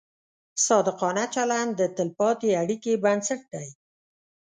صادقانه چلند د تلپاتې اړیکې بنسټ دی.